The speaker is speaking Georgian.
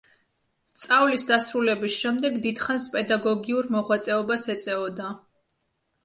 სწავლის დასრულების შემდეგ დიდხანს პედაგოგიურ მოღვაწეობას ეწეოდა.